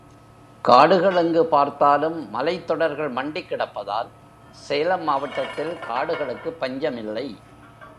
காடுகள் எங்குபார்த்தாலும் மலைத்தொடர்கள் மண்டிக் கிடப்பதால், சேலம் மாவட்டத்தில் காடுகளுக்குப் பஞ்சமில்லை.